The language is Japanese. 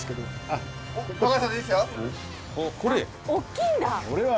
あっ大きいんだ。